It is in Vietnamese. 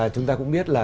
chúng ta cũng biết là